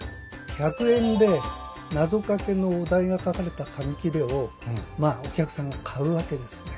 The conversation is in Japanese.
１００円でなぞかけのお題が書かれた紙切れをお客さんが買うわけですね。